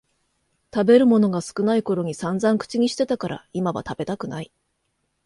食べるものが少ないころにさんざん口にしてたから今は食べたくない